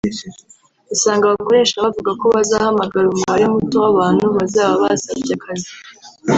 usanga abakoresha bavuga ko bazahamagara umubare muto w’abantu bazaba basabye akazi